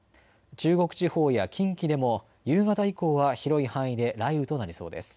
中国地方や近畿でも夕方以降は広い範囲で雷雨となりそうです。